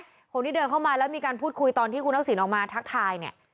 เห็นมั้ยผมด้วยเข้ามาแล้วมีการพูดคุยทานที่คุณทักษิณออกมาทักทายเนี่ย